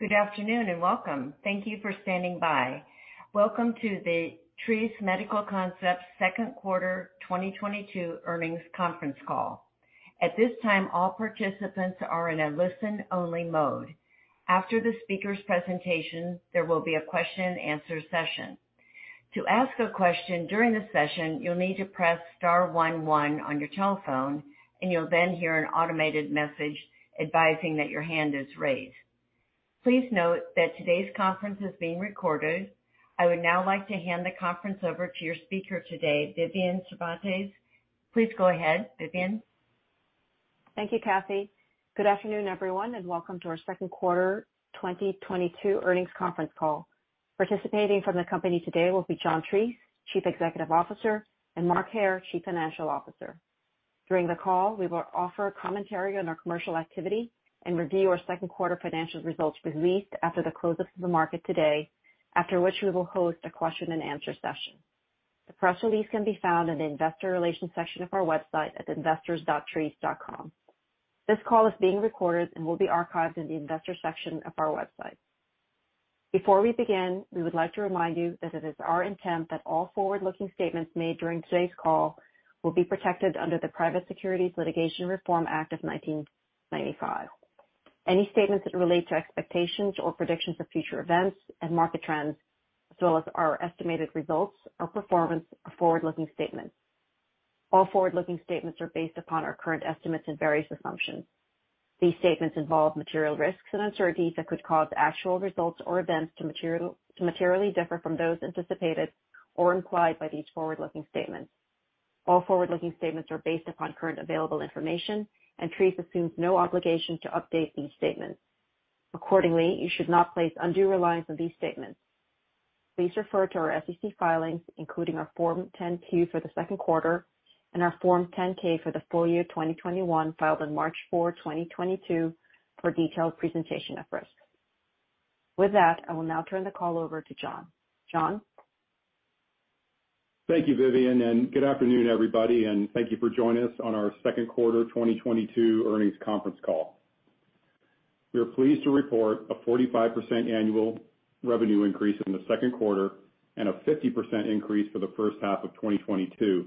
Good afternoon and welcome. Thank you for standing by. Welcome to the Treace Medical Concepts Second Quarter 2022 Earnings Conference Call. At this time, all participants are in a listen-only mode. After the speaker's presentation, there will be a question and answer session. To ask a question during the session, you'll need to press star 1 1 on your telephone, and you'll then hear an automated message advising that your hand is raised. Please note that today's conference is being recorded. I would now like to hand the conference over to your speaker today, Vivian Cervantes. Please go ahead, Vivian. Thank you, Kathy. Good afternoon, everyone, and welcome to our second quarter 2022 earnings conference call. Participating from the company today will be John T. Treace, Chief Executive Officer, and Mark Hair, Chief Financial Officer. During the call, we will offer commentary on our commercial activity and review our second quarter financial results released after the close of the market today, after which we will host a question and answer session. The press release can be found in the Investor Relations section of our website at investors.treace.com. This call is being recorded and will be archived in the Investor section of our website. Before we begin, we would like to remind you that it is our intent that all forward-looking statements made during today's call will be protected under the Private Securities Litigation Reform Act of 1995. Any statements that relate to expectations or predictions of future events and market trends, as well as our estimated results or performance are forward-looking statements. All forward-looking statements are based upon our current estimates and various assumptions. These statements involve material risks and uncertainties that could cause actual results or events to materially differ from those anticipated or implied by these forward-looking statements. All forward-looking statements are based upon current available information, and Treace assumes no obligation to update these statements. Accordingly, you should not place undue reliance on these statements. Please refer to our SEC filings, including our Form 10-Q for the second quarter and our Form 10-K for the full year 2021, filed on March 4, 2022, for detailed presentation of risks. With that, I will now turn the call over to John. John? Thank you, Vivian, and good afternoon, everybody, and thank you for joining us on our second quarter 2022 earnings conference call. We are pleased to report a 45% annual revenue increase in the second quarter and a 50% increase for the first half of 2022,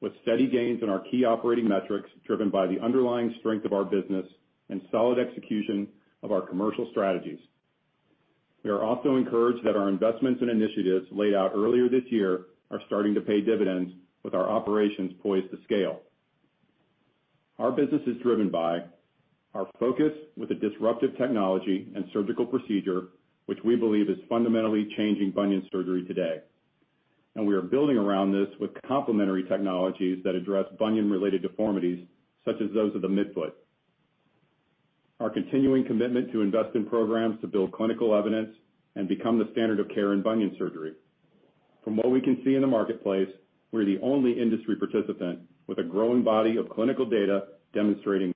with steady gains in our key operating metrics, driven by the underlying strength of our business and solid execution of our commercial strategies. We are also encouraged that our investments and initiatives laid out earlier this year are starting to pay dividends, with our operations poised to scale. Our business is driven by our focus with a disruptive technology and surgical procedure, which we believe is fundamentally changing bunion surgery today. We are building around this with complementary technologies that address bunion-related deformities, such as those of the midfoot. Our continuing commitment to invest in programs to build clinical evidence and become the standard of care in bunion surgery. From what we can see in the marketplace, we're the only industry participant with a growing body of clinical data demonstrating-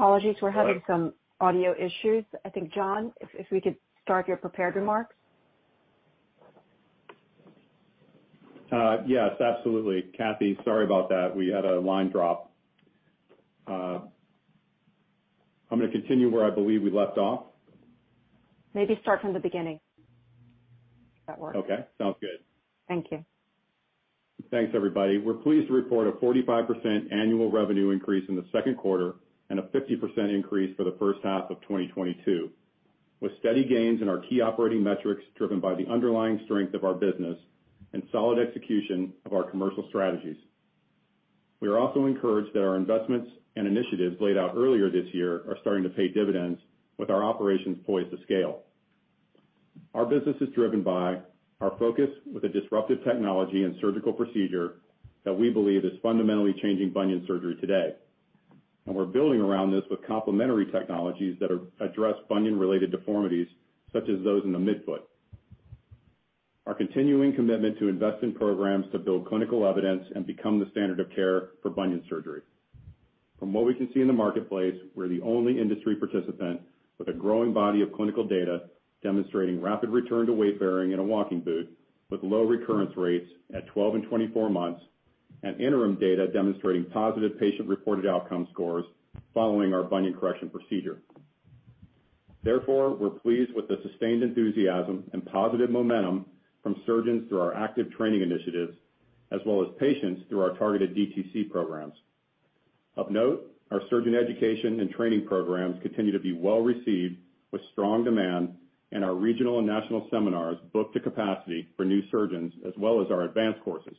Apologies. We're having some audio issues. I think, John, if we could start your prepared remarks. Yes, absolutely. Kathy, sorry about that. We had a line drop. I'm gonna continue where I believe we left off. Maybe start from the beginning if that works. Okay, sounds good. Thank you. Thanks, everybody. We're pleased to report a 45% annual revenue increase in the second quarter and a 50% increase for the first half of 2022, with steady gains in our key operating metrics driven by the underlying strength of our business and solid execution of our commercial strategies. We are also encouraged that our investments and initiatives laid out earlier this year are starting to pay dividends, with our operations poised to scale. Our business is driven by our focus with a disruptive technology and surgical procedure that we believe is fundamentally changing bunion surgery today, and we're building around this with complementary technologies that address bunion-related deformities such as those in the midfoot. Our continuing commitment to invest in programs to build clinical evidence and become the standard of care for bunion surgery. From what we can see in the marketplace, we're the only industry participant with a growing body of clinical data demonstrating rapid return to weight bearing in a walking boot with low recurrence rates at 12 and 24 months, and interim data demonstrating positive patient-reported outcome scores following our bunion correction procedure. Therefore, we're pleased with the sustained enthusiasm and positive momentum from surgeons through our active training initiatives, as well as patients through our targeted DTC programs. Of note, our surgeon education and training programs continue to be well-received with strong demand and our regional and national seminars booked to capacity for new surgeons as well as our advanced courses.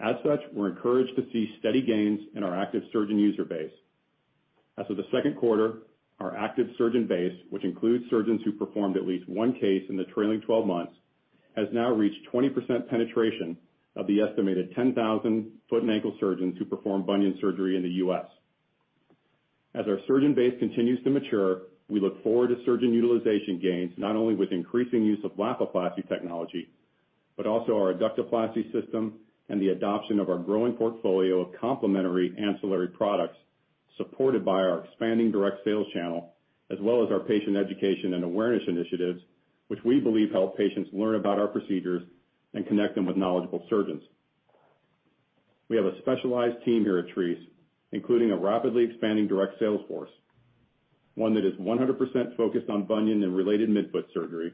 As such, we're encouraged to see steady gains in our active surgeon user base. As of the second quarter, our active surgeon base, which includes surgeons who performed at least one case in the trailing twelve months, has now reached 20% penetration of the estimated 10,000 foot and ankle surgeons who perform bunion surgery in the U.S. As our surgeon base continues to mature, we look forward to surgeon utilization gains not only with increasing use of Lapiplasty technology, but also our Adductoplasty system and the adoption of our growing portfolio of complementary ancillary products supported by our expanding direct sales channel as well as our patient education and awareness initiatives, which we believe help patients learn about our procedures and connect them with knowledgeable surgeons. We have a specialized team here at Treace, including a rapidly expanding direct sales force, one that is 100% focused on bunion and related midfoot surgery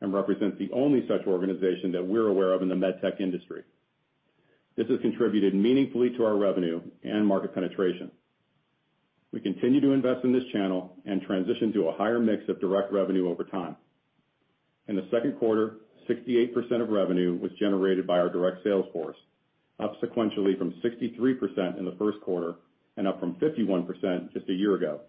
and represents the only such organization that we're aware of in the med tech industry. This has contributed meaningfully to our revenue and market penetration. We continue to invest in this channel and transition to a higher mix of direct revenue over time. In the second quarter, 68% of revenue was generated by our direct sales force, up sequentially from 63% in the first quarter and up from 51% just a year ago.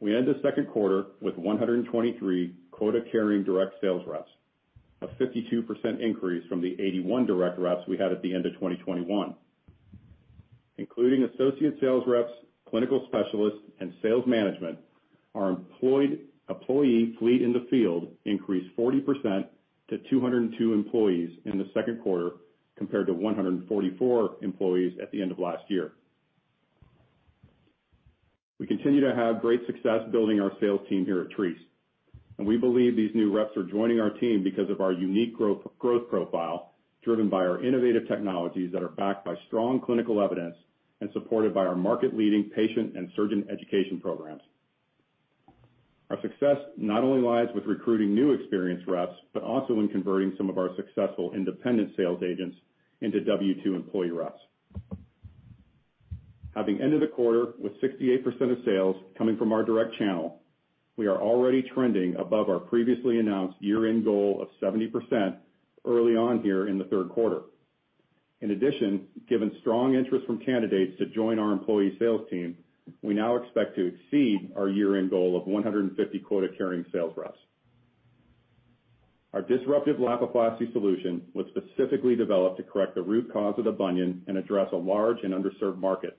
We end the second quarter with 123 quota-carrying direct sales reps, a 52% increase from the 81 direct reps we had at the end of 2021. Including associate sales reps, clinical specialists, and sales management, our employee fleet in the field increased 40% to 202 employees in the second quarter, compared to 144 employees at the end of last year. We continue to have great success building our sales team here at Treace, and we believe these new reps are joining our team because of our unique growth profile driven by our innovative technologies that are backed by strong clinical evidence and supported by our market-leading patient and surgeon education programs. Our success not only lies with recruiting new experienced reps, but also in converting some of our successful independent sales agents into W-2 employee reps. Having ended the quarter with 68% of sales coming from our direct channel, we are already trending above our previously announced year-end goal of 70% early on here in the third quarter. In addition, given strong interest from candidates to join our employee sales team, we now expect to exceed our year-end goal of 150 quota-carrying sales reps. Our disruptive Lapiplasty solution was specifically developed to correct the root cause of the bunion and address a large and underserved market.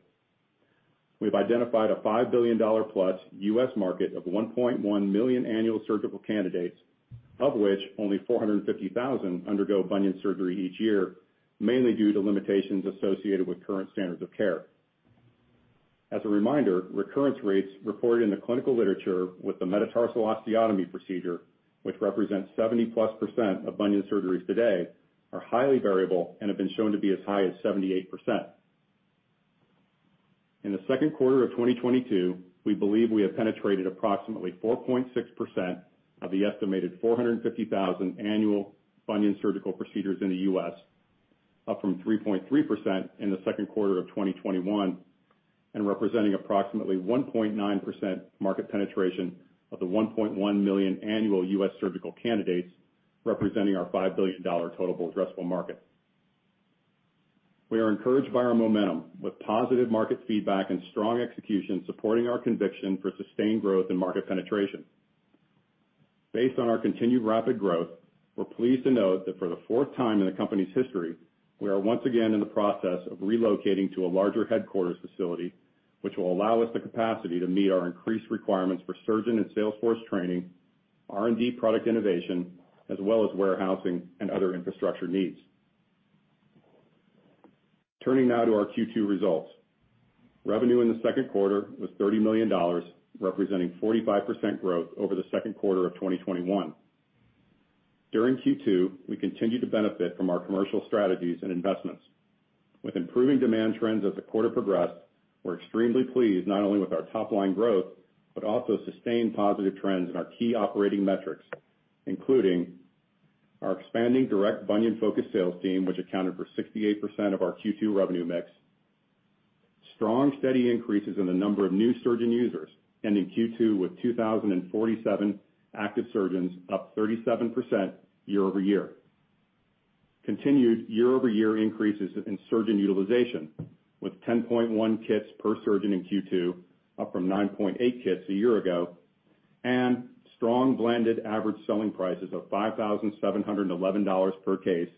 We've identified a $5 billion-plus U.S. market of 1.1 million annual surgical candidates, of which only 450,000 undergo bunion surgery each year, mainly due to limitations associated with current standards of care. As a reminder, recurrence rates reported in the clinical literature with the metatarsal osteotomy procedure, which represents 70+% of bunion surgeries today, are highly variable and have been shown to be as high as 78%. In the second quarter of 2022, we believe we have penetrated approximately 4.6% of the estimated 450,000 annual bunion surgical procedures in the U.S., up from 3.3% in the second quarter of 2021, and representing approximately 1.9% market penetration of the 1.1 million annual U.S. surgical candidates, representing our $5 billion total addressable market. We are encouraged by our momentum with positive market feedback and strong execution supporting our conviction for sustained growth and market penetration. Based on our continued rapid growth, we're pleased to note that for the fourth time in the company's history, we are once again in the process of relocating to a larger headquarters facility, which will allow us the capacity to meet our increased requirements for surgeon and sales force training, R&D product innovation, as well as warehousing and other infrastructure needs. Turning now to our Q2 results. Revenue in the second quarter was $30 million, representing 45% growth over the second quarter of 2021. During Q2, we continued to benefit from our commercial strategies and investments. With improving demand trends as the quarter progressed, we're extremely pleased not only with our top-line growth, but also sustained positive trends in our key operating metrics, including our expanding direct bunion-focused sales team, which accounted for 68% of our Q2 revenue mix. Strong, steady increases in the number of new surgeon users, ending Q2 with 2,047 active surgeons, up 37% year-over-year. Continued year-over-year increases in surgeon utilization, with 10.1 kits per surgeon in Q2, up from 9.8 kits a year ago, and strong blended average selling prices of $5,711 per case.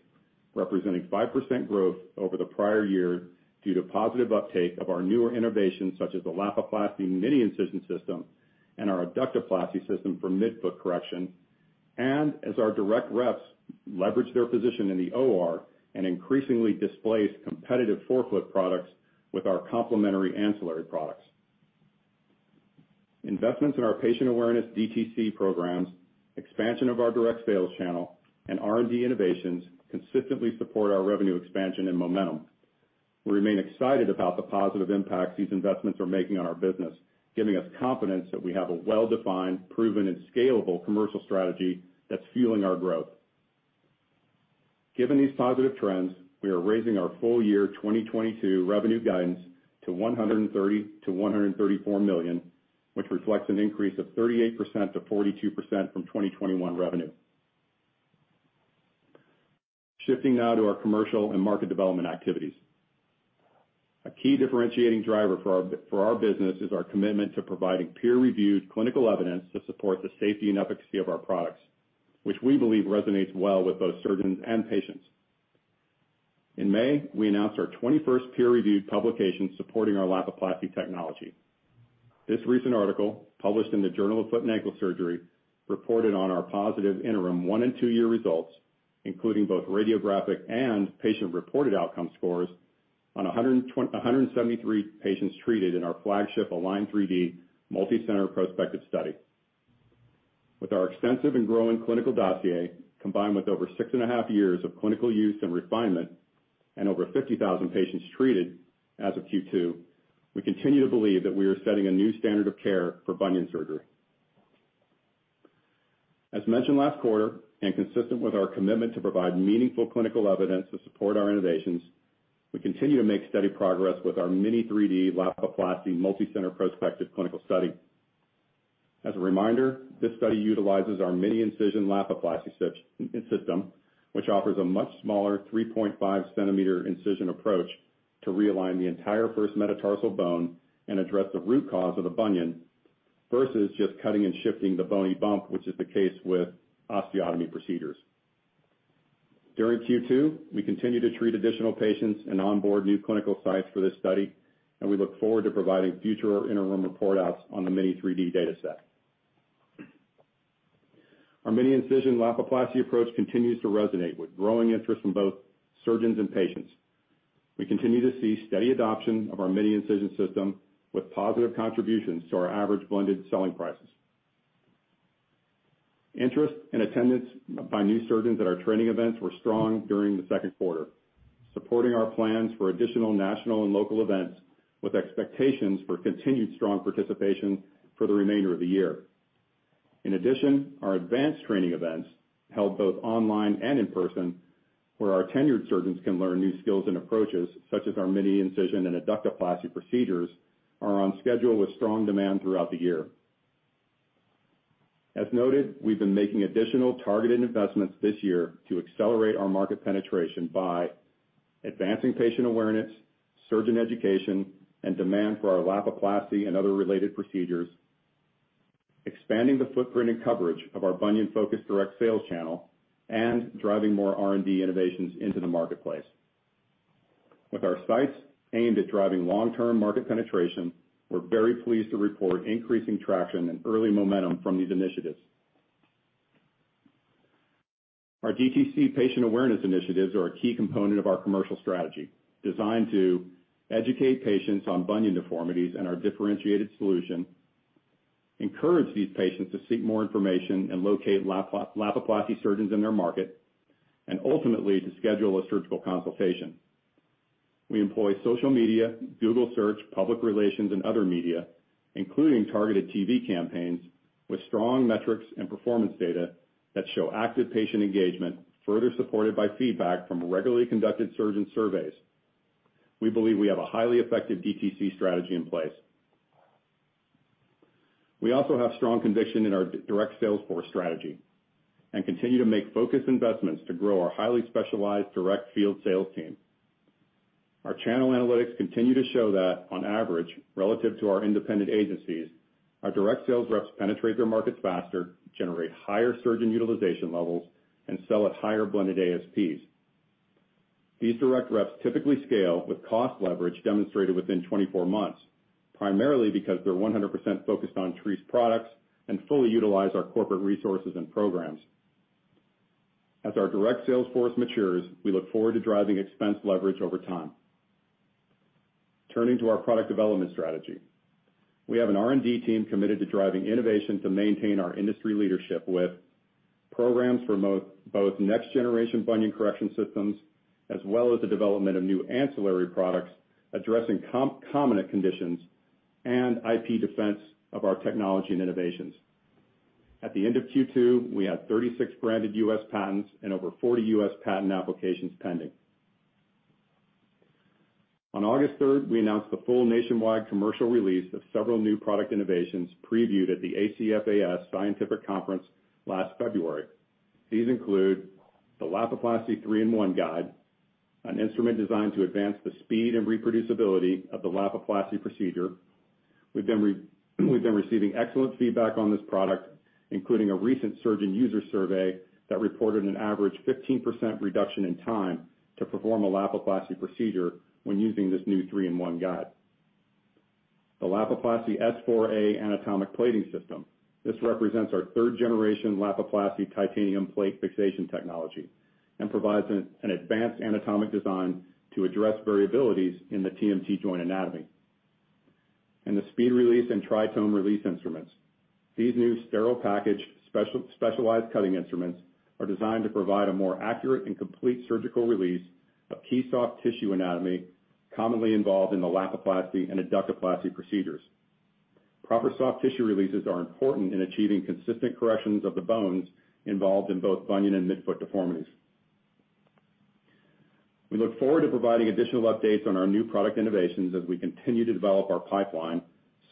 Representing 5% growth over the prior year due to positive uptake of our newer innovations, such as the Lapiplasty Mini-Incision System and our Adductoplasty system for midfoot correction. As our direct reps leverage their position in the OR and increasingly displace competitive forefoot products with our complementary ancillary products. Investments in our patient awareness DTC programs, expansion of our direct sales channel, and R&D innovations consistently support our revenue expansion and momentum. We remain excited about the positive impacts these investments are making on our business, giving us confidence that we have a well-defined, proven, and scalable commercial strategy that's fueling our growth. Given these positive trends, we are raising our full year 2022 revenue guidance to $130 million-$134 million, which reflects an increase of 38%-42% from 2021 revenue. Shifting now to our commercial and market development activities. A key differentiating driver for our business is our commitment to providing peer-reviewed clinical evidence to support the safety and efficacy of our products, which we believe resonates well with both surgeons and patients. In May, we announced our 21st peer-reviewed publication supporting our Lapiplasty technology. This recent article, published in The Journal of Foot & Ankle Surgery, reported on our positive interim one and two-year results, including both radiographic and patient-reported outcome scores on 173 patients treated in our flagship Align3D multicenter prospective study. With our extensive and growing clinical dossier, combined with over 6.5 years of clinical use and refinement and over 50,000 patients treated as of Q2, we continue to believe that we are setting a new standard of care for bunion surgery. As mentioned last quarter, and consistent with our commitment to provide meaningful clinical evidence to support our innovations, we continue to make steady progress with our Mini3D Lapiplasty multicenter prospective clinical study. As a reminder, this study utilizes our Lapiplasty Mini-Incision system, which offers a much smaller 3.5 centimeter incision approach to realign the entire first metatarsal bone and address the root cause of the bunion, versus just cutting and shifting the bony bump, which is the case with osteotomy procedures. During Q2, we continued to treat additional patients and onboard new clinical sites for this study, and we look forward to providing future interim report outs on the Mini3D dataset. Our Lapiplasty Mini-Incision approach continues to resonate with growing interest from both surgeons and patients. We continue to see steady adoption of our Lapiplasty Mini-Incision system with positive contributions to our average blended selling prices. Interest and attendance by new surgeons at our training events were strong during the second quarter, supporting our plans for additional national and local events, with expectations for continued strong participation for the remainder of the year. In addition, our advanced training events, held both online and in person, where our tenured surgeons can learn new skills and approaches such as our Mini-Incision and Adductoplasty procedures, are on schedule with strong demand throughout the year. As noted, we've been making additional targeted investments this year to accelerate our market penetration by advancing patient awareness, surgeon education, and demand for our Lapiplasty and other related procedures, expanding the footprint and coverage of our bunion-focused direct sales channel, and driving more R&D innovations into the marketplace. With our sights aimed at driving long-term market penetration, we're very pleased to report increasing traction and early momentum from these initiatives. Our DTC patient awareness initiatives are a key component of our commercial strategy, designed to educate patients on bunion deformities and our differentiated solution, encourage these patients to seek more information and locate Lapiplasty surgeons in their market, and ultimately, to schedule a surgical consultation. We employ social media, Google search, public relations, and other media, including targeted TV campaigns with strong metrics and performance data that show active patient engagement, further supported by feedback from regularly conducted surgeon surveys. We believe we have a highly effective DTC strategy in place. We also have strong conviction in our direct sales force strategy, and continue to make focused investments to grow our highly specialized direct field sales team. Our channel analytics continue to show that on average, relative to our independent agencies, our direct sales reps penetrate their markets faster, generate higher surgeon utilization levels, and sell at higher blended ASPs. These direct reps typically scale with cost leverage demonstrated within 24 months, primarily because they're 100% focused on Treace products and fully utilize our corporate resources and programs. As our direct sales force matures, we look forward to driving expense leverage over time. Turning to our product development strategy. We have an R&D team committed to driving innovation to maintain our industry leadership with programs for both next generation bunion correction systems, as well as the development of new ancillary products addressing comorbid conditions and IP defense of our technology and innovations. At the end of Q2, we had 36 branded U.S. patents and over 40 U.S. patent applications pending. On August third, we announced the full nationwide commercial release of several new product innovations previewed at the ACFAS Scientific Conference last February. These include the Lapiplasty three-in-one guide. An instrument designed to advance the speed and reproducibility of the Lapiplasty procedure. We've been receiving excellent feedback on this product, including a recent surgeon user survey that reported an average 15% reduction in time to perform a Lapiplasty procedure when using this new three-in-one guide. The Lapiplasty S4A Anatomic Plating System. This represents our third-generation Lapiplasty titanium plate fixation technology, and provides an advanced anatomic design to address variabilities in the TMT joint anatomy. The SpeedRelease and TriTome Release instruments. These new sterile package specialized cutting instruments are designed to provide a more accurate and complete surgical release of key soft tissue anatomy commonly involved in the Lapiplasty and Adductoplasty procedures. Proper soft tissue releases are important in achieving consistent corrections of the bones involved in both bunion and midfoot deformities. We look forward to providing additional updates on our new product innovations as we continue to develop our pipeline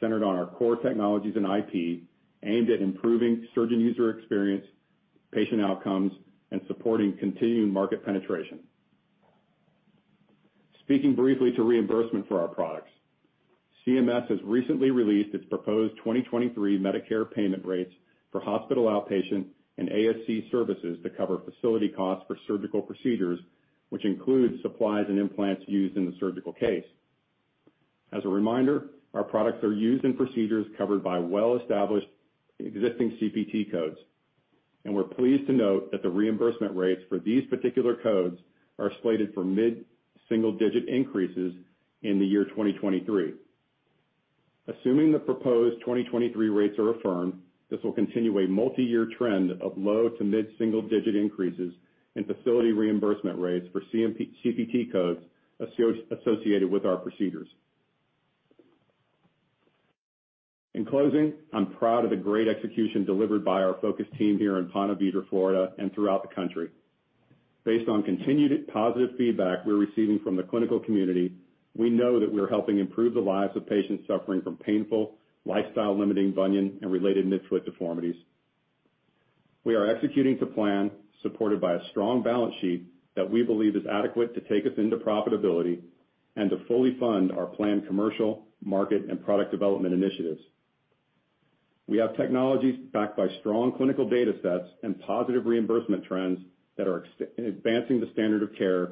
centered on our core technologies and IP aimed at improving surgeon user experience, patient outcomes, and supporting continued market penetration. Speaking briefly to reimbursement for our products. CMS has recently released its proposed 2023 Medicare payment rates for hospital outpatient and ASC services to cover facility costs for surgical procedures, which includes supplies and implants used in the surgical case. As a reminder, our products are used in procedures covered by well-established existing CPT codes, and we're pleased to note that the reimbursement rates for these particular codes are slated for mid-single-digit increases in the year 2023. Assuming the proposed 2023 rates are affirmed, this will continue a multi-year trend of low- to mid-single-digit increases in facility reimbursement rates for CMS CPT codes associated with our procedures. In closing, I'm proud of the great execution delivered by our focused team here in Ponte Vedra, Florida, and throughout the country. Based on continued positive feedback we're receiving from the clinical community, we know that we're helping improve the lives of patients suffering from painful, lifestyle-limiting bunion and related midfoot deformities. We are executing to plan, supported by a strong balance sheet that we believe is adequate to take us into profitability and to fully fund our planned commercial, market, and product development initiatives. We have technologies backed by strong clinical data sets and positive reimbursement trends that are advancing the standard of care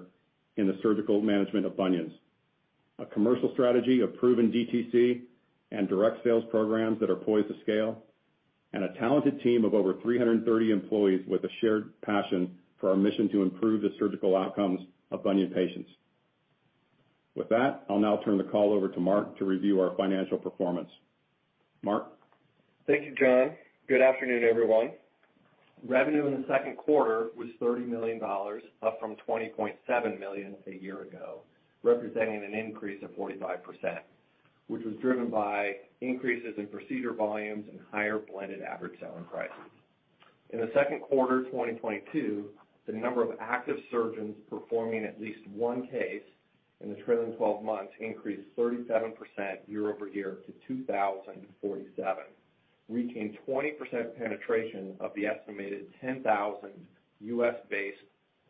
in the surgical management of bunions. A commercial strategy of proven DTC and direct sales programs that are poised to scale, and a talented team of over 330 employees with a shared passion for our mission to improve the surgical outcomes of bunion patients. With that, I'll now turn the call over to Mark to review our financial performance. Mark? Thank you, John. Good afternoon, everyone. Revenue in the second quarter was $30 million, up from $20.7 million a year ago, representing an increase of 45%, which was driven by increases in procedure volumes and higher blended average selling prices. In the second quarter of 2022, the number of active surgeons performing at least one case in the trailing 12 months increased 37% year-over-year to 2,047, reaching 20% penetration of the estimated 10,000 U.S.-based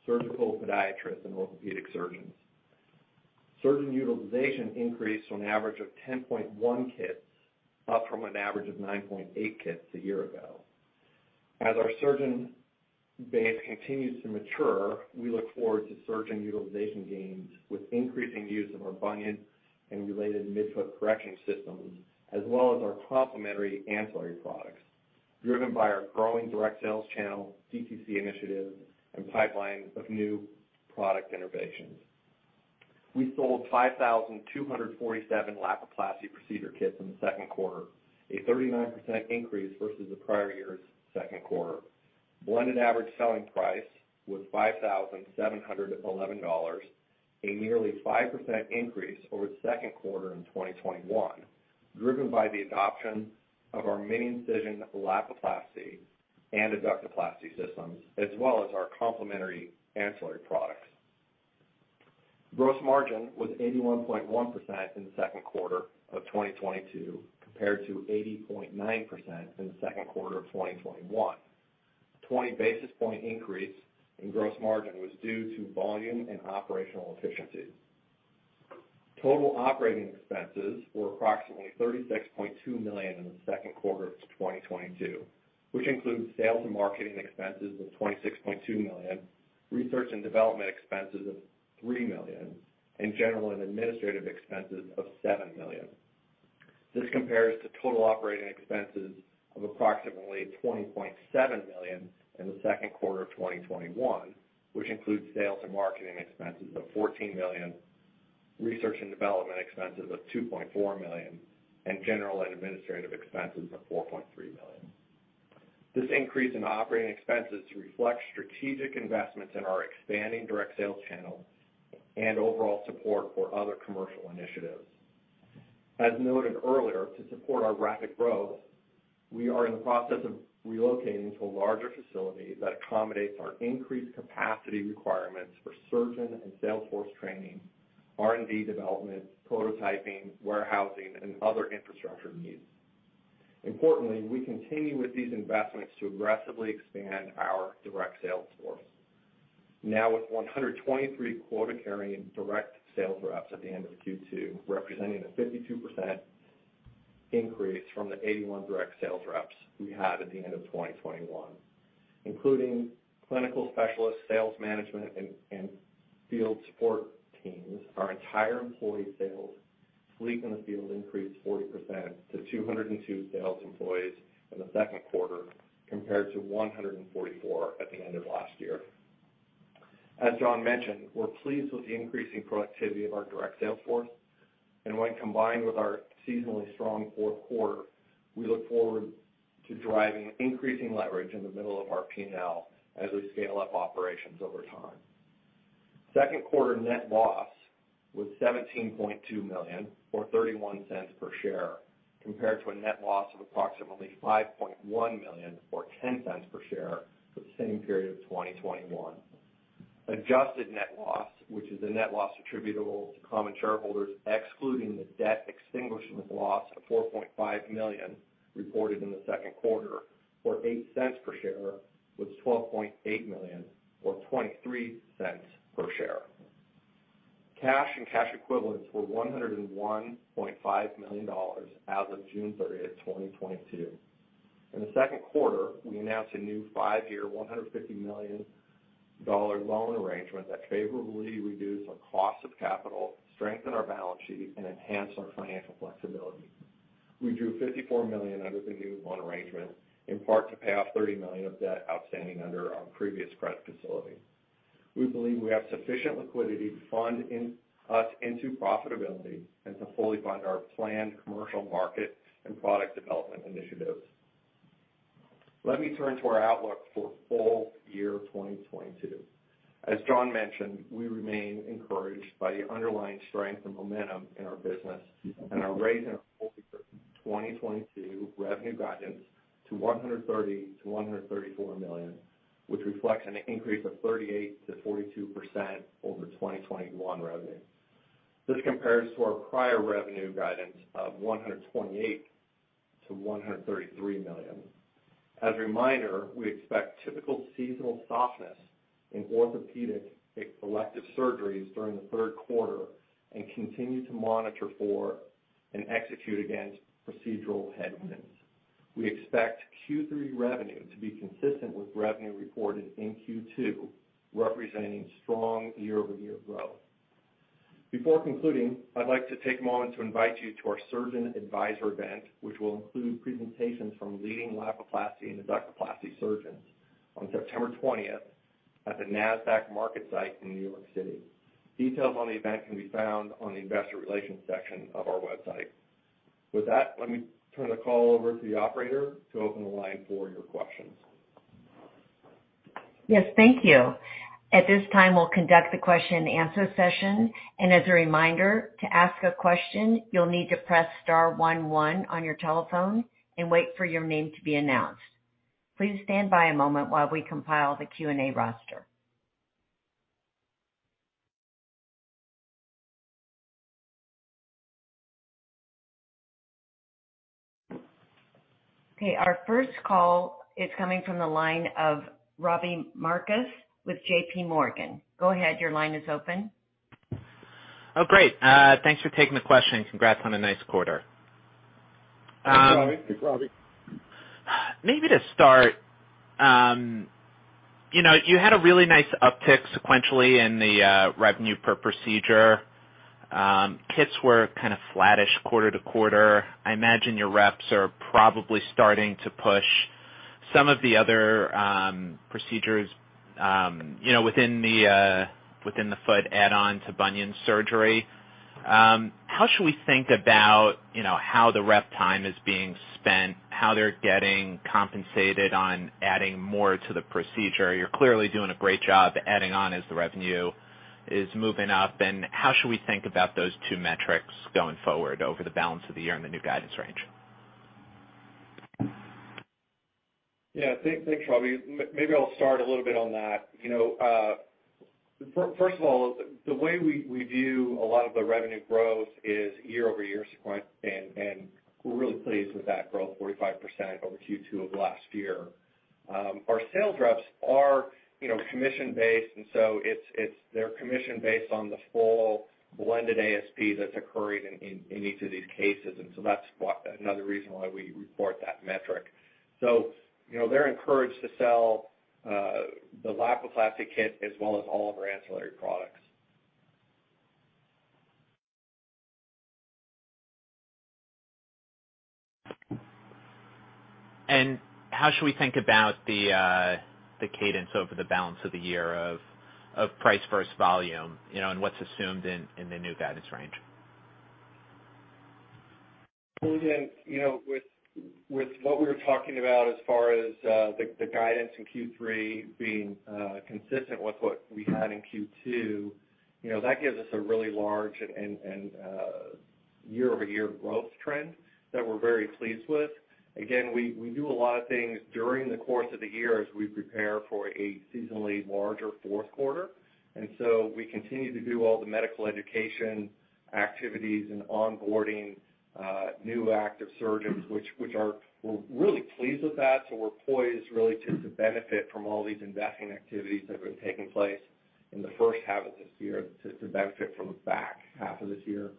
surgical podiatrists and orthopedic surgeons. Surgeon utilization increased to an average of 10.1 kits, up from an average of 9.8 kits a year ago. As our surgeon base continues to mature, we look forward to surgeon utilization gains with increasing use of our bunion and related midfoot correction systems, as well as our complementary ancillary products, driven by our growing direct sales channel, DTC initiatives, and pipelines of new product innovations. We sold 5,247 Lapiplasty procedure kits in the second quarter, a 39% increase versus the prior year's second quarter. Blended average selling price was $5,711, a nearly 5% increase over the second quarter in 2021, driven by the adoption of our Mini-Incision Lapiplasty and Adductoplasty systems, as well as our complementary ancillary products. Gross margin was 81.1% in the second quarter of 2022, compared to 80.9% in the second quarter of 2021. A 20 basis point increase in gross margin was due to volume and operational efficiencies. Total operating expenses were approximately $36.2 million in the second quarter of 2022, which includes sales and marketing expenses of $26.2 million, research and development expenses of $3 million, and general and administrative expenses of $7 million. This compares to total operating expenses of approximately $20.7 million in the second quarter of 2021, which includes sales and marketing expenses of $14 million, research and development expenses of $2.4 million, and general and administrative expenses of $4.3 million. This increase in operating expenses reflects strategic investments in our expanding direct sales channel and overall support for other commercial initiatives. As noted earlier, to support our rapid growth, we are in the process of relocating to a larger facility that accommodates our increased capacity requirements for surgeon and sales force training, R&D development, prototyping, warehousing, and other infrastructure needs. Importantly, we continue with these investments to aggressively expand our direct sales force. Now with 123 quota-carrying direct sales reps at the end of Q2, representing a 52% increase from the 81 direct sales reps we had at the end of 2021. Including clinical specialists, sales management, and field support teams, our entire employee sales fleet in the field increased 40% to 202 sales employees in the second quarter, compared to 144 at the end of last year. As John mentioned, we're pleased with the increasing productivity of our direct sales force. When combined with our seasonally strong fourth quarter, we look forward to driving increasing leverage in the middle of our P&L as we scale up operations over time. Second quarter net loss was $17.2 million or $0.31 per share, compared to a net loss of approximately $5.1 million or $0.10 per share for the same period of 2021. Adjusted net loss, which is the net loss attributable to common shareholders, excluding the debt extinguishment loss of $4.5 million reported in the second quarter or $0.08 per share, was $12.8 million or $0.23 per share. Cash and cash equivalents were $101.5 million as of June 30, 2022. In the second quarter, we announced a new five-year, $150 million loan arrangement that favorably reduced our cost of capital, strengthened our balance sheet, and enhanced our financial flexibility. We drew $54 million under the new loan arrangement, in part to pay off $30 million of debt outstanding under our previous credit facility. We believe we have sufficient liquidity to fund us into profitability and to fully fund our planned commercial market and product development initiatives. Let me turn to our outlook for full year 2022. As John mentioned, we remain encouraged by the underlying strength and momentum in our business and are raising our full year 2022 revenue guidance to $130 million-$134 million, which reflects an increase of 38%-42% over 2021 revenue. This compares to our prior revenue guidance of $128 million-$133 million. As a reminder, we expect typical seasonal softness in orthopedic elective surgeries during the third quarter and continue to monitor for and execute against procedural headwinds. We expect Q3 revenue to be consistent with revenue reported in Q2, representing strong year-over-year growth. Before concluding, I'd like to take a moment to invite you to our Surgeon Advisor event, which will include presentations from leading Lapiplasty and Adductoplasty surgeons on September 20th at the Nasdaq MarketSite in New York City. Details on the event can be found on the Investor Relations section of our website. With that, let me turn the call over to the operator to open the line for your questions. Yes, thank you. At this time, we'll conduct the question and answer session. As a reminder, to ask a question, you'll need to press star 1 1 on your telephone and wait for your name to be announced. Please stand by a moment while we compile the Q&A roster. Okay. Our first call is coming from the line of Robbie Marcus with J.P. Morgan. Go ahead, your line is open. Oh, great. Thanks for taking the question. Congrats on a nice quarter. Thanks, Robbie. Maybe to start, you know, you had a really nice uptick sequentially in the revenue per procedure. Kits were kind of flattish quarter to quarter. I imagine your reps are probably starting to push some of the other procedures, you know, within the foot add-on to bunion surgery. How should we think about, you know, how the rep time is being spent, how they're getting compensated on adding more to the procedure? You're clearly doing a great job adding on as the revenue is moving up. How should we think about those two metrics going forward over the balance of the year and the new guidance range? Thanks, Robbie. Maybe I'll start a little bit on that. You know, first of all, the way we view a lot of the revenue growth is year-over-year sequential, and we're really pleased with that growth, 45% over Q2 of last year. Our sales reps are, you know, commission-based, and so they're commission-based on the full blended ASP that's occurred in each of these cases. That's yet another reason why we report that metric. You know, they're encouraged to sell the Lapiplasty kit as well as all of our ancillary products. How should we think about the cadence over the balance of the year of price versus volume, you know, and what's assumed in the new guidance range? Well, again, you know, with what we were talking about as far as the guidance in Q3 being consistent with what we had in Q2, you know, that gives us a really large and year-over-year growth trend that we're very pleased with. Again, we do a lot of things during the course of the year as we prepare for a seasonally larger fourth quarter. We continue to do all the medical education activities and onboarding new active surgeons, which we're really pleased with that. We're poised really to benefit from all these investing activities that have been taking place in the first half of this year to benefit from the back half of this year.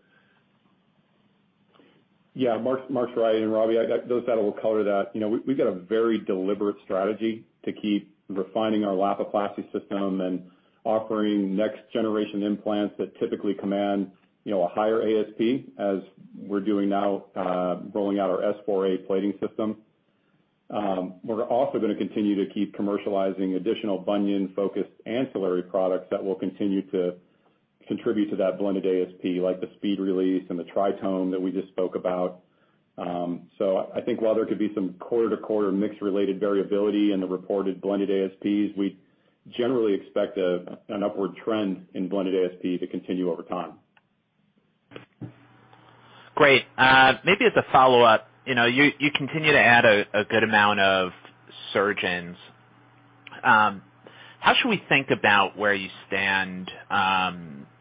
Yeah. Mark's right. Robbie, I got those that will color that. You know, we've got a very deliberate strategy to keep refining our Lapiplasty system and offering next generation implants that typically command, you know, a higher ASP as we're doing now, rolling out our S4A plating system. We're also gonna continue to keep commercializing additional bunion-focused ancillary products that will continue to contribute to that blended ASP, like the SpeedRelease and the TriTome that we just spoke about. So I think while there could be some quarter-to-quarter mix related variability in the reported blended ASPs, we generally expect an upward trend in blended ASP to continue over time. Great. Maybe as a follow-up, you know, you continue to add a good amount of surgeons. How should we think about where you stand,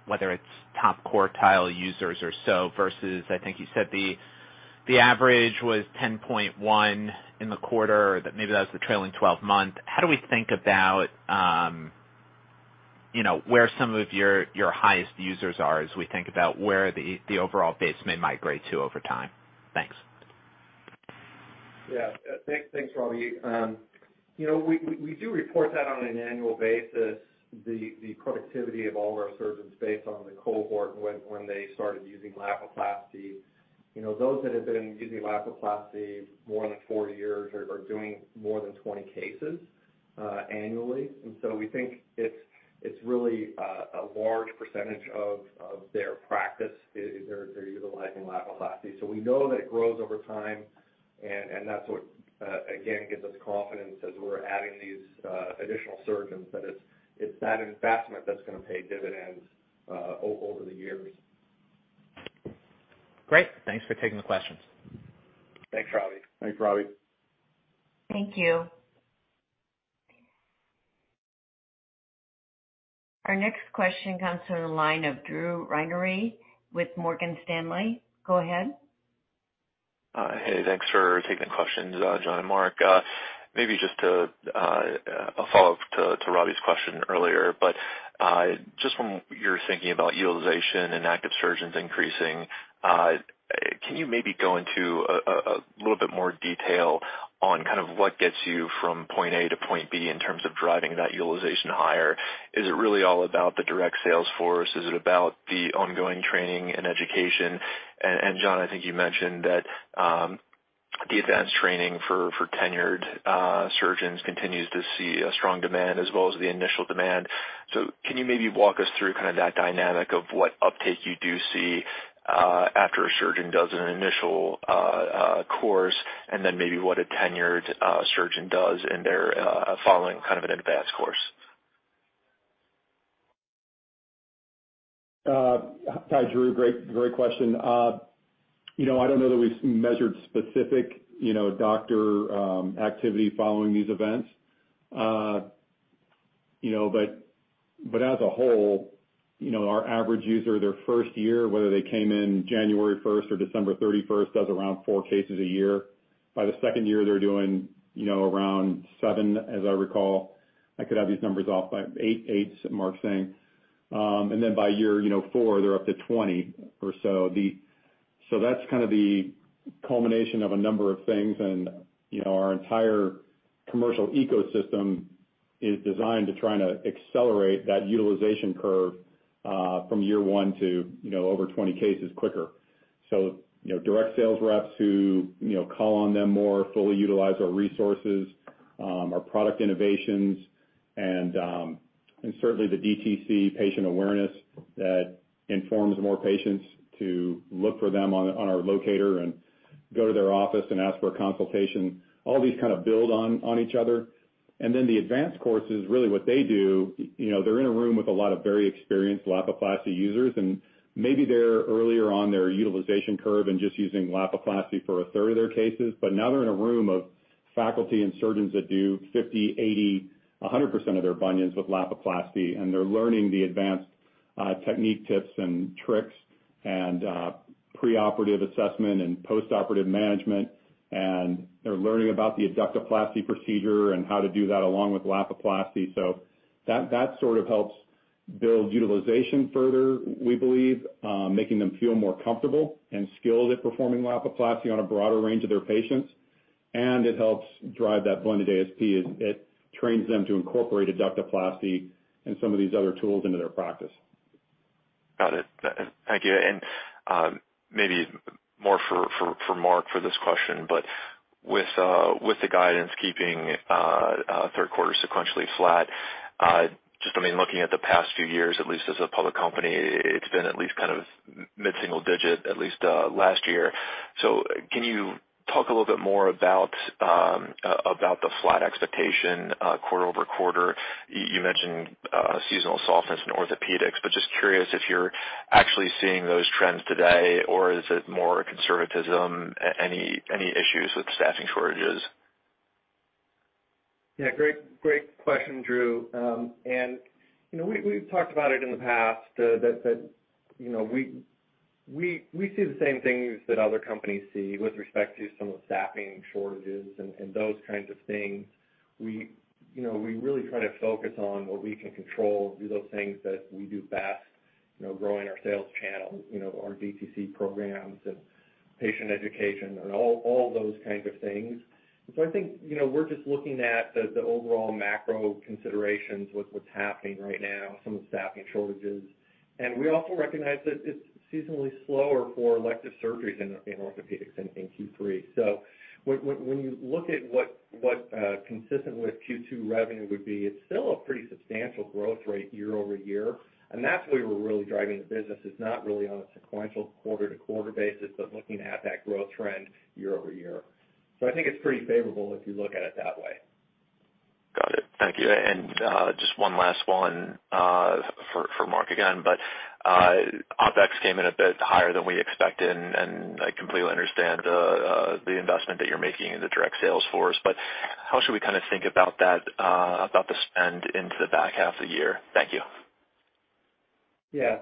whether it's top quartile users or so, versus, I think you said the average was 10.1 in the quarter, or that maybe that was the trailing 12 months. How do we think about, you know, where some of your highest users are as we think about where the overall base may migrate to over time? Thanks. Yeah. Thanks, Robbie. You know, we do report that on an annual basis, the productivity of all of our surgeons based on the cohort when they started using Lapiplasty. You know, those that have been using Lapiplasty more than four years are doing more than 20 cases annually. We think it's really a large percentage of their practice is they're utilizing Lapiplasty. We know that it grows over time and that's what again gives us confidence as we're adding these additional surgeons, that it's that investment that's gonna pay dividends over the years. Great. Thanks for taking the questions. Thanks, Robbie. Thanks, Robbie. Thank you. Our next question comes from the line of Drew Ranieri with Morgan Stanley. Go ahead. Hey, thanks for taking the questions, John and Mark. Maybe just a follow-up to Robbie's question earlier, but just from your thinking about utilization and active surgeons increasing, can you maybe go into a little bit more detail on kind of what gets you from point A to point B in terms of driving that utilization higher? Is it really all about the direct sales force? Is it about the ongoing training and education? John, I think you mentioned that the advanced training for tenured surgeons continues to see a strong demand as well as the initial demand. Can you maybe walk us through kind of that dynamic of what uptake you do see after a surgeon does an initial course, and then maybe what a tenured surgeon does in their following kind of an advanced course? Hi, Drew. Great question. You know, I don't know that we've measured specific, you know, doctor activity following these events. You know, but as a whole, you know, our average user, their first year, whether they came in January 1 or December 31, does around four cases a year. By the second year, they're doing, you know, around seven, as I recall. I could have these numbers off by eight, Mark's saying. Then by Year 4, they're up to 20 or so. That's kind of the culmination of a number of things. You know, our entire commercial ecosystem is designed to try to accelerate that utilization curve from Year 1 to, you know, over 20 cases quicker. You know, direct sales reps who, you know, call on them more fully utilize our resources, our product innovations and certainly the DTC patient awareness that informs more patients to look for them on our locator and go to their office and ask for a consultation. All these kind of build on each other. Then the advanced courses, really what they do, you know, they're in a room with a lot of very experienced Lapiplasty users, and maybe they're earlier on their utilization curve and just using Lapiplasty for a third of their cases. Now they're in a room of faculty and surgeons that do 50%, 805, 100% of their bunions with Lapiplasty, and they're learning the advanced technique tips and tricks and preoperative assessment and postoperative management. They're learning about the Adductoplasty procedure and how to do that along with Lapiplasty. That sort of helps build utilization further, we believe, making them feel more comfortable and skilled at performing Lapiplasty on a broader range of their patients. It helps drive that blended ASP as it trains them to incorporate Adductoplasty and some of these other tools into their practice. Got it. Thank you. Maybe more for Mark for this question, but with the guidance keeping third quarter sequentially flat, just, I mean, looking at the past few years, at least as a public company, it's been at least kind of mid-single digit at least last year. So can you talk a little bit more about the flat expectation quarter-over-quarter. You mentioned seasonal softness in orthopedics, but just curious if you're actually seeing those trends today, or is it more conservatism? Any issues with staffing shortages? Yeah. Great question, Drew. You know, we've talked about it in the past that you know, we see the same things that other companies see with respect to some of the staffing shortages and those kinds of things. You know, we really try to focus on what we can control, do those things that we do best, you know, growing our sales channel, you know, our DTC programs and patient education and all those kind of things. So I think, you know, we're just looking at the overall macro considerations with what's happening right now, some of the staffing shortages. We also recognize that it's seasonally slower for elective surgeries in orthopedics in Q3. When you look at what consistent with Q2 revenue would be, it's still a pretty substantial growth rate year-over-year, and that's where we're really driving the business. It's not really on a sequential quarter-to-quarter basis, but looking at that growth trend year-over-year. I think it's pretty favorable if you look at it that way. Got it. Thank you. Just one last one for Mark again. OpEx came in a bit higher than we expected, and I completely understand the investment that you're making in the direct sales force. How should we kind of think about that, about the spend into the back half of the year? Thank you. Yeah.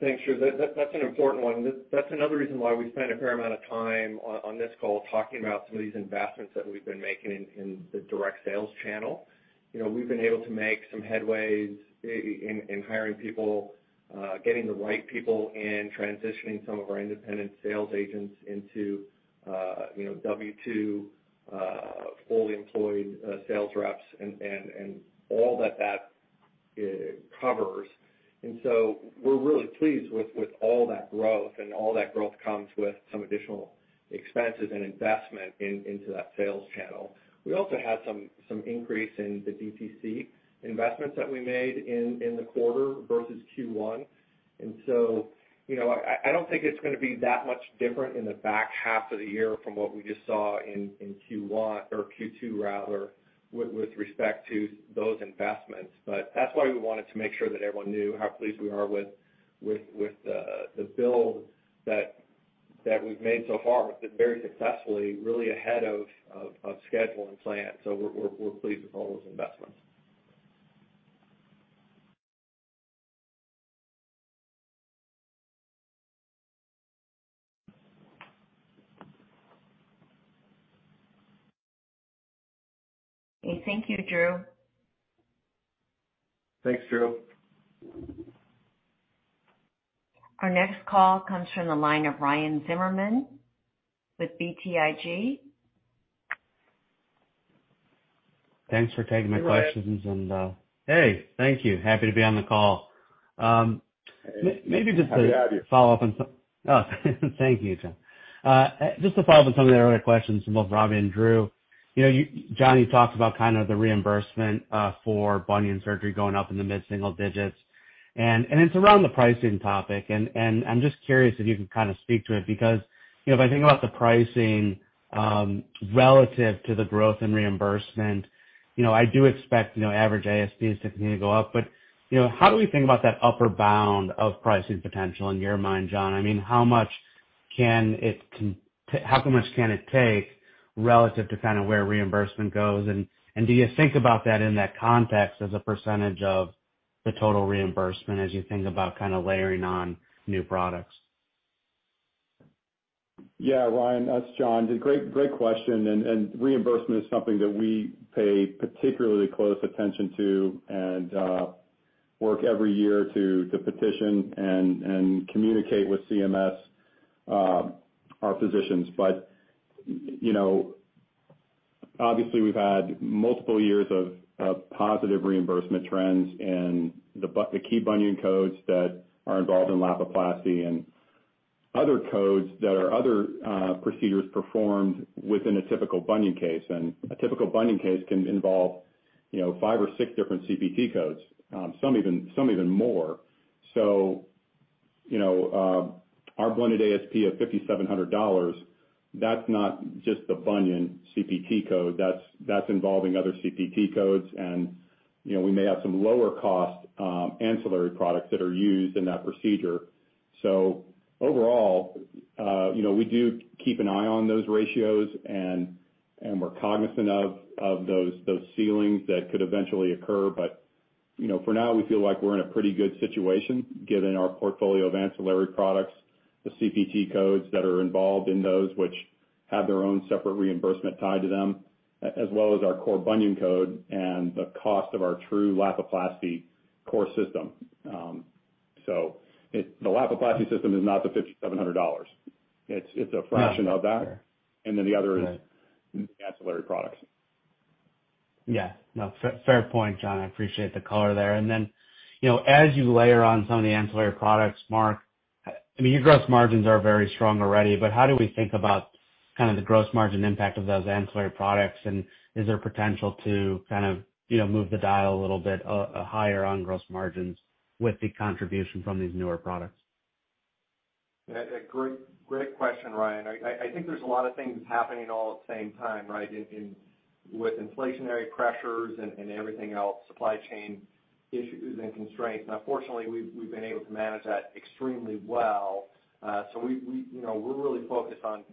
Thanks, Drew. That's an important one. That's another reason why we spend a fair amount of time on this call talking about some of these investments that we've been making in the direct sales channel. You know, we've been able to make some headway in hiring people, getting the right people and transitioning some of our independent sales agents into W-2 fully employed sales reps and all that covers. We're really pleased with all that growth, and all that growth comes with some additional expenses and investment into that sales channel. We also had some increase in the DTC investments that we made in the quarter versus Q1. You know, I don't think it's gonna be that much different in the back half of the year from what we just saw in Q1, or Q2 rather, with respect to those investments. That's why we wanted to make sure that everyone knew how pleased we are with the build that we've made so far. We've been very successfully really ahead of schedule and plan, so we're pleased with all those investments. Okay. Thank you, Drew. Thanks, Drew. Our next call comes from the line of Ryan Zimmerman with BTIG. Thanks for taking my questions. Hey, Ryan. Hey, thank you. Happy to be on the call. Maybe just to- Hey. Happy to have you. Thank you, John. Just to follow up on some of the earlier questions from both Robbie and Drew. You know, John, you talked about kind of the reimbursement for bunion surgery going up in the mid-single digits. And it's around the pricing topic, and I'm just curious if you can kind of speak to it because, you know, if I think about the pricing relative to the growth in reimbursement, you know, I do expect average ASPs to continue to go up. But, you know, how do we think about that upper bound of pricing potential in your mind, John? I mean, how much can it take relative to kind of where reimbursement goes? Do you think about that in that context as a percentage of the total reimbursement as you think about kind of layering on new products? Yeah, Ryan. It's John. Great question, and reimbursement is something that we pay particularly close attention to and work every year to petition and communicate with CMS our positions. You know, obviously we've had multiple years of positive reimbursement trends in the key bunion codes that are involved in Lapiplasty and other codes that are other procedures performed within a typical bunion case. A typical bunion case can involve, you know, five or six different CPT codes, some even more. You know, our blended ASP of $5,700, that's not just the bunion CPT code. That's involving other CPT codes and, you know, we may have some lower cost ancillary products that are used in that procedure. Overall, you know, we do keep an eye on those ratios, and we're cognizant of those ceilings that could eventually occur. You know, for now, we feel like we're in a pretty good situation given our portfolio of ancillary products, the CPT codes that are involved in those which have their own separate reimbursement tied to them, as well as our core bunion code and the cost of our true Lapiplasty core system. The Lapiplasty system is not the $5,700. It's a fraction of that. Got it. Sure. The other is- Right - ancillary products. Yeah. No. Fair point, John. I appreciate the color there. Then, you know, as you layer on some of the ancillary products, Mark, I mean, your gross margins are very strong already, but how do we think about kind of the gross margin impact of those ancillary products? Is there potential to kind of, you know, move the dial a little bit higher on gross margins with the contribution from these newer products? Yeah. Great question, Ryan. I think there's a lot of things happening all at the same time, right? With inflationary pressures and everything else, supply chain issues and constraints. Now fortunately, we've been able to manage that extremely well. So we, you know, we're really focused on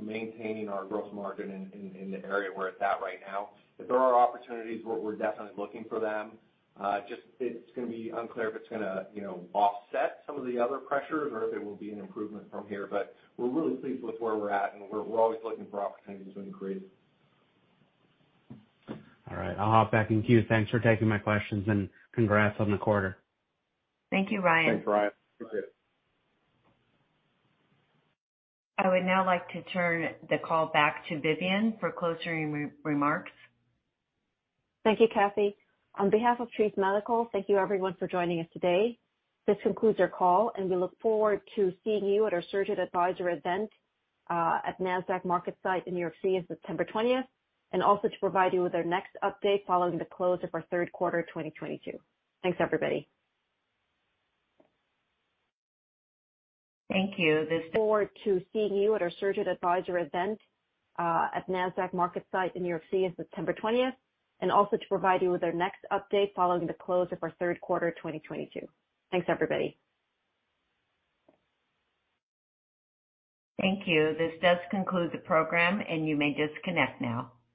maintaining our gross margin in the area where it's at right now. If there are opportunities, we're definitely looking for them. Just it's gonna be unclear if it's gonna, you know, offset some of the other pressures or if it will be an improvement from here. But we're really pleased with where we're at, and we're always looking for opportunities to increase. All right. I'll hop back in queue. Thanks for taking my questions, and congrats on the quarter. Thank you, Ryan. Thanks, Ryan. Appreciate it. I would now like to turn the call back to Vivian for closing remarks. Thank you, Kathy. On behalf of Treace Medical, thank you everyone for joining us today. This concludes our call, and we look forward to seeing you at our Surgeon Advisor event at Nasdaq MarketSite in New York City on September 20th, and also to provide you with our next update following the close of our third quarter 2022. Thanks, everybody. Thank you. forward to seeing you at our Surgeon Advisor event at Nasdaq MarketSite in New York City on September 20th, and also to provide you with our next update following the close of our third quarter 2022. Thanks, everybody. Thank you. This does conclude the program, and you may disconnect now.